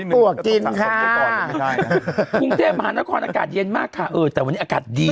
ปวกกินค่ะภูมิเทพฯมหานครอากาศเย็นมากค่ะเออแต่วันนี้อากาศดีสุดสุด